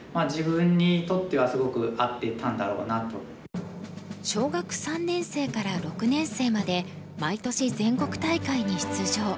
でも何か小学３年生から６年生まで毎年全国大会に出場。